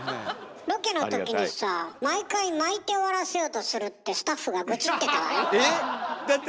ロケの時にさあ毎回まいて終わらせようとするってスタッフが愚痴ってたわよ？